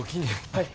はい。